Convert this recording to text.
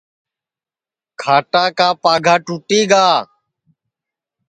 کھاٹا کا پاگا ٹُوٹی گا